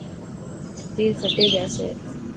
تير کٽي جاسي.